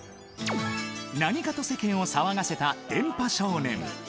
何かと世間を騒がせた電波少年。